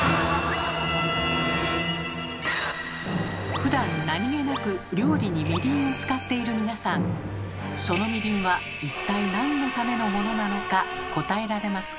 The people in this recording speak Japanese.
ふだん何気なく料理に「みりん」を使っている皆さんそのみりんは一体なんのためのモノなのか答えられますか？